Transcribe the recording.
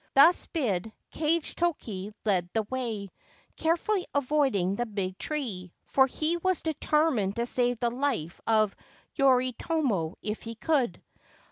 ' Thus bid, Kagetoki led the way, carefully avoiding the big tree, for he was determined to save the life of Yoritomo if he could.